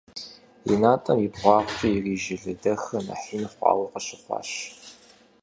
И натӀэм и бгъуагъкӀэ ирижэ лэдэхыр нэхъ ин хъуауэ къыщыхъуащ.